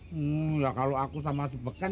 hmm ya kalau aku sama si beken